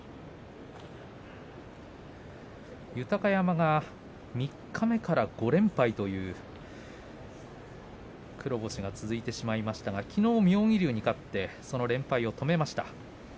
豊山が三日目から５連敗という黒星が続いてしまいましたがきのう妙義龍に勝って連敗を止めました。